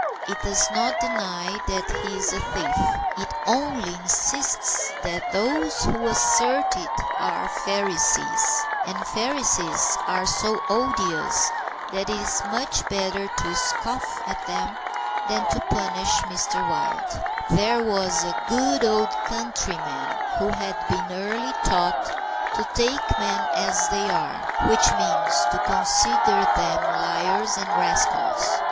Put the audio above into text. It does not deny that he is a thief. It only insists that those who assert it are Pharisees and Pharisees are so odious that it is much better to scoff at them than to punish Mr. Wild. There was a good old countryman who had been early taught to take men as they are, which means to consider them liars and rascals.